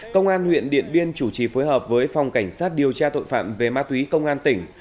công an huyện điện biên chủ trì phối hợp với phòng cảnh sát điều tra tội phạm về ma túy công an tỉnh